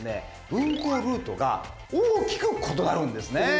運行ルートが大きく異なるんですね。